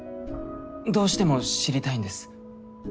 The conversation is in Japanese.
どうしても知りたいんです。